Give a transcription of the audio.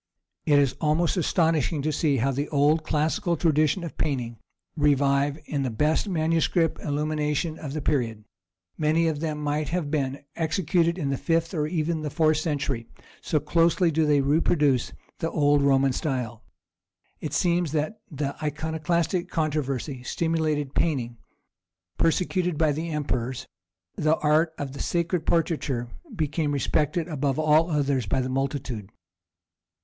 It is most astonishing to see how the old classical tradition of painting revive in the best manuscript illumination of the period; many of them might have been executed in the fifth or even the fourth century, so closely do they reproduce the old Roman style. It seems that the Iconoclastic controversy stimulated painting; persecuted by the emperors, the art of sacred portraiture became respected above all others by the multitude.